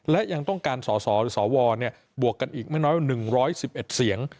และยังต้องการสอสอหรือสวบวกกันอีกไม่น้อย๑๑๑เสียง